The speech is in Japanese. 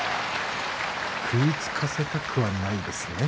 組みつかせたくはないですね。